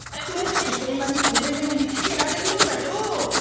どうしてそんなに小銭を見つけられるんだよ？